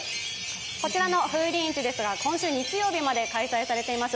こちらの風鈴市ですが今週日曜日まで開催されています。